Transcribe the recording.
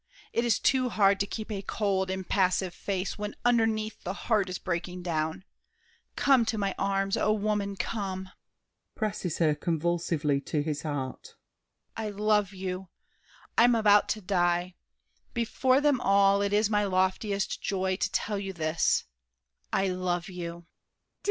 It is too hard to keep a cold, impassive face When underneath the heart is breaking down. Come to my arms, oh, woman, come! [Presses her convulsively to his heart. I love you! I'm about to die. Before them all, It is my loftiest joy to tell you this: I love you!